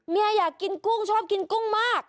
อยากกินกุ้งชอบกินกุ้งมาก